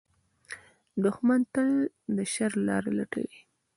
دښمن تل د شر لارې لټوي